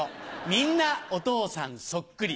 みんなお父さんそっくり。